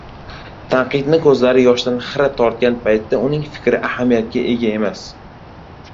Tanqidning ko‘zlari yoshdan xira tortgan paytda uning fikri ahamiyatga ega emas.